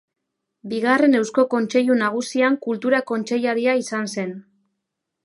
Bigarren Eusko Kontseilu Nagusian kultura kontseilaria izan zen.